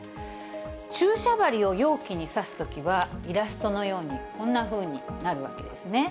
注射針を容器に刺すときは、イラストのように、こんなふうになるわけですね。